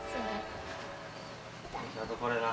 あとこれな。